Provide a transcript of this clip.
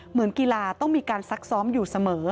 เหมือนกีฬาต้องมีการซักซ้อมอยู่เสมอ